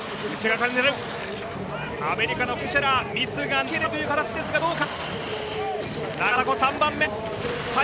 アメリカのコーベン・シェラーミスがなければという形ですがどうか。